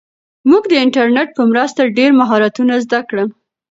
موږ د انټرنیټ په مرسته ډېر مهارتونه زده کړل.